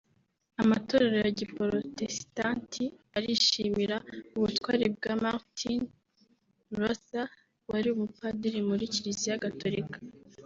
Amatorero ya giporotesitanti arishimira ubutwari bwa Martin Luther wari umupadiri muri Kiliziya Gatolika